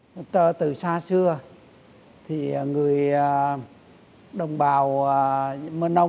khai bạc trang trí sản xuất viên tổng giám đốc tại mưa nông